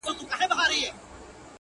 بس و یار ته ستا خواږه کاته درمان سي-